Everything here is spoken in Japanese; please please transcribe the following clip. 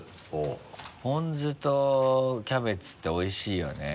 ぽん酢とキャベツっておいしいよね。